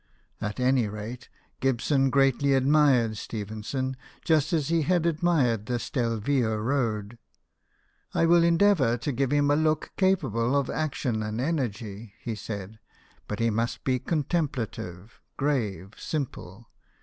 At any rate, Gibson greatly admired Stephenson, just as he had admired the Stelvio road. " I will endeavour to give him a look capable of action and energy,'* he 84 BIOGRAPHIES OF WORKING MEN. said ;" but he must be contemplative, grave, simple.